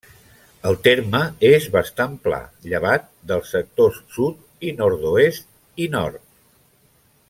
El terme és bastant pla, llevat dels sectors sud i nord-oest i nord.